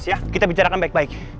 ya kita bicarakan baik baik